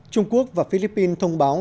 trung quốc và philippines thông báo